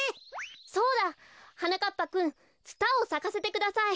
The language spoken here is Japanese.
そうだ！はなかっぱくんツタをさかせてください。